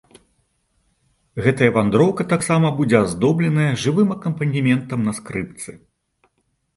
Гэтая вандроўка таксама будзе аздобленая жывым акампанементам на скрыпцы!